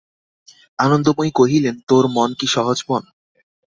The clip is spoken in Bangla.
আনন্দময়ী কহিলেন, তোর মন কি সহজ মন!